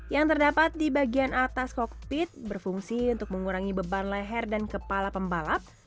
yang terdapat di bagian atas kokpit berfungsi untuk mengurangi beban leher dan kepala pembalap